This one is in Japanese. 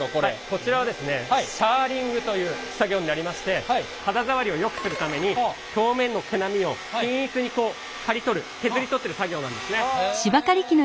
こちらはですねシャーリングという作業になりまして肌触りをよくするために表面の毛並みを均一に刈り取る削り取ってる作業なんですね。